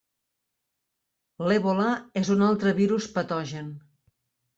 L'Ebola és un altre virus patogen.